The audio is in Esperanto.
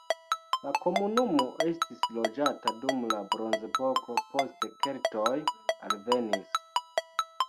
La komunumo estis loĝata dum la bronzepoko, poste keltoj alvenis.